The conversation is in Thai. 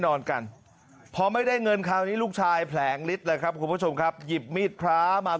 นอนกันพอไม่ได้เงินคราวนี้ลูกชายแผลงฤทธิ์เลยครับคุณผู้ชมครับหยิบมีดพระมา